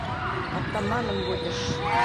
Атаманом будешь!